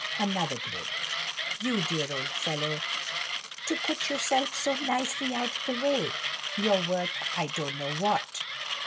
Another grin. "You dear old fellow, to put yourself so nicely out of the way! You're worth I don't know what."